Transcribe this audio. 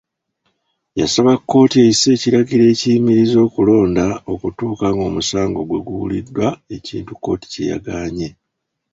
Yasaba kkooti eyise ekiragiro ekiyimiriza okulonda okutuuka ng'omusango gwe guwuliddwa ekintu kkooti ky'egaanye.